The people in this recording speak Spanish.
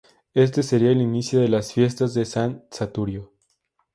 Éste sería el inicio de las Fiestas de san Saturio.